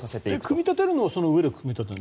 組み立てるのはその足場で組み立てるの？